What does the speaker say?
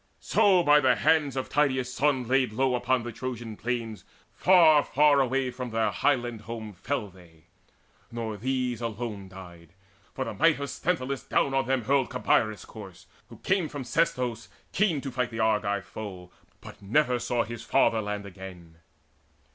So, by the hands of Tydeus' son laid low Upon the Trojan plain, far, far away From their own highland home, they fell. Nor these Alone died; for the might of Sthenelus Down on them hurled Cabeirus' corse, who came From Sestos, keen to fight the Argive foe, But never saw his fatherland again.